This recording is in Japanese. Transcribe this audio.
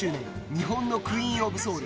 日本のクイーン・オブ・ソウル